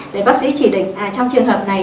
để bác sĩ chỉ định trong trường hợp này